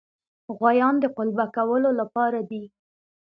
غوایان د قلبه کولو لپاره دي.